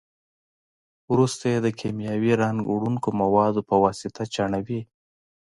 وروسته یې د کیمیاوي رنګ وړونکو موادو په واسطه چاڼوي.